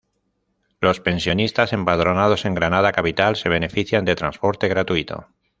Los pensionistas empadronados en Granada capital, se benefician de transporte gratuito.